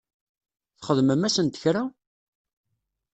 Txedmem-asent kra?